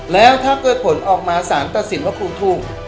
แล้วถ้าเกิดผลออกมาสารตัดสินว่าครูถูก